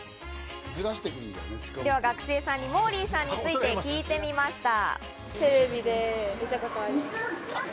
では学生さんにモーリーさんについて聞いてみました。